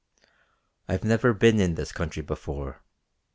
"I've never been in this country before.